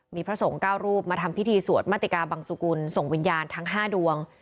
มีพระสงฆ์๙รูปมาทำพิธีสวดมาติกาบังสุกุลส่งวิญญาณทั้ง๕ดวง